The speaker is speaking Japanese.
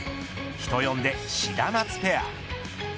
人呼んで、シダマツペア。